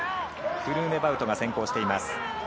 フルーネバウトが先行しています。